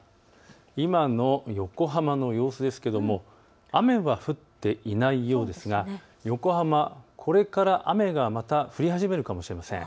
今の横浜の様子ですけれども雨は降っていないようですが横浜、これから雨がまた降り始めるかもしれません。